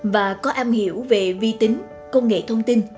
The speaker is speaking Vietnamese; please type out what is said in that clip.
và có am hiểu về vi tính công nghệ thông tin